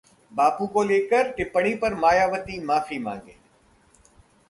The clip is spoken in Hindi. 'बापू को लेकर टिप्पणी पर मायावती माफी मांगे'